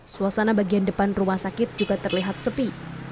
suasana bagian depan rumah sakit juga terlihat sepi